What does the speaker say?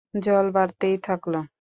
জল বাড়তেই থাকল।